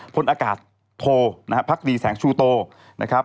พลอากาศโทพรรคดีแสงชูโตนะครับ